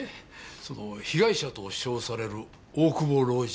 その被害者と称される大久保老人。